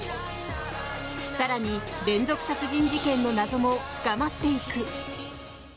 更に、連続殺人事件の謎も深まっていく。